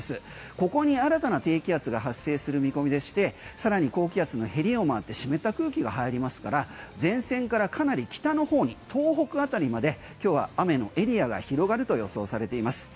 ここに新たな低気圧が発生する見込みでしてさらに高気圧のへりを回って湿った空気が入りますから前線からかなり北の方に東北辺りまで今日は雨のエリアが広がると予想されています。